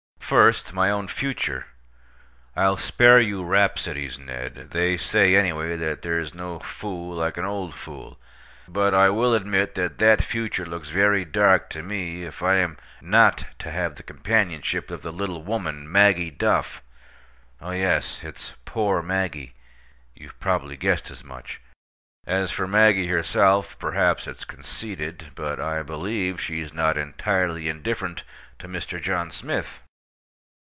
First, my own future. I'll spare you rhapsodies, Ned. They say, anyway, that there's no fool like an old fool. But I will admit that that future looks very dark to me if I am not to have the companionship of the little woman, Maggie Duff. Oh, yes, it's "Poor Maggie." You've probably guessed as much. As for Miss Maggie herself, perhaps it's conceited, but I believe she's not entirely indifferent to Mr. John Smith.